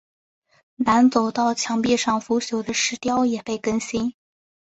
南走道墙壁上腐朽的石雕也被更新。